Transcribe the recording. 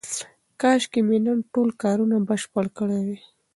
کاشکې مې نن ټول کارونه بشپړ کړي وای.